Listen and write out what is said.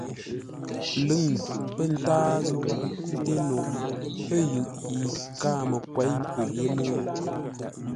Lʉ̂ŋ pə̂ ntâa zə̂u ńté no ə̂ yʉʼ yi káa məkwěi pə̂ yé mə́u.